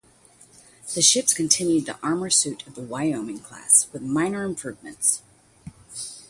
The ships continued the armor suite of the "Wyoming" class with minor improvements.